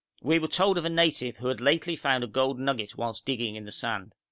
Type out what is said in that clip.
We were told of a native who had lately found a gold nugget whilst digging in the sand.